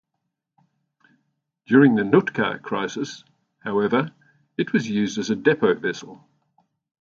During the Nootka Crisis, however, it was used as a depot vessel.